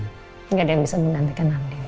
gak ada yang bisa menantikan andin